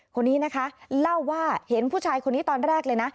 คนนี้นะคะเล่าว่าเห็นผู้ชายคนนี้ตอนแรกเลยนะ